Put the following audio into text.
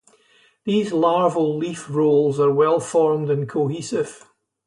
These larval leaf rolls are well formed and cohesive.